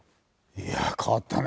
いや変わったね